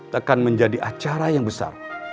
tekan menjadi acara yang besar